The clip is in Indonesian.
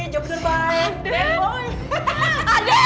jangan jangan jangan